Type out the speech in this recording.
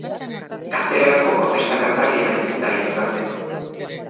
Gaztelerazko protesta kantarien aitzindaria izan zen.